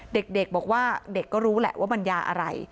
เด็กบอกว่าเด็กก็รู้แหละว่ามันยาอะไร